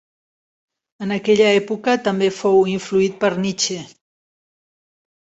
En aquella època també fou influït per Nietzsche.